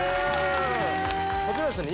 こちらですね